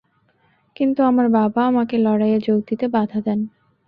কিন্তু আমার বাবা আমাকে লড়াইয়ে যোগ দিতে বাধা দেন।